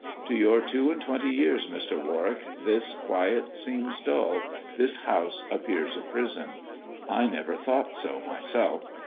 To your two and twenty years, Mr. Warwick, this quiet seems dull, this house appears a prison. I never thought so myself.